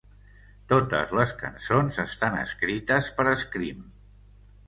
Totes les cançons estan escrites per Scream.